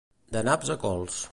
De naps a cols.